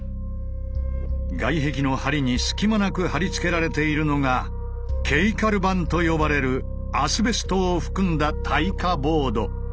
外壁の梁に隙間なく貼り付けられているのが「ケイカル板」と呼ばれるアスベストを含んだ耐火ボード。